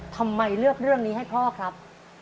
ทำไมเลือกเรื่องนี้ให้พ่อครับ